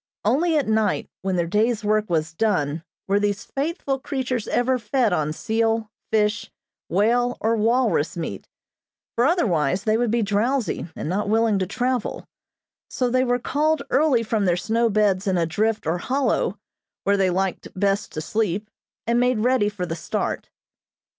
Only at night, when their day's work was done, were these faithful creatures ever fed on seal, fish, whale, or walrus meat, for otherwise they would be drowsy, and not willing to travel; so they were called early from their snow beds in a drift or hollow, where they liked best to sleep, and made ready for the start.